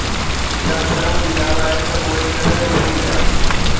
اها شرم جي ڳالهه آهي ته اهي ڪڏهن به نه مليا